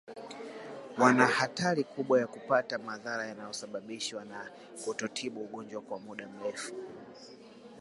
Wana hatari kubwa ya kupata madhara yanayosababishwa na kutotibu ugonjwa kwa muda mrefu